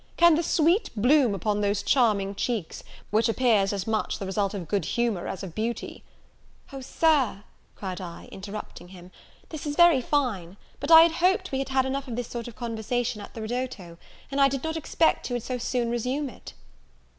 Can the sweet bloom upon those charming cheeks, which appears as much the result of good humour as of beauty " "O, Sir," cried I, interrupting him, "this is very fine; but I had hoped we had had enough of this sort of conversation at the ridotto, and I did not expect you would so soon resume it."